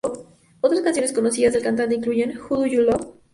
Otras canciones conocidas del cantante incluyen "Who Do You Love?